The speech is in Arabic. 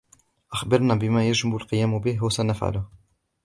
أخبرنا بما يجب القيام به وسنفعله.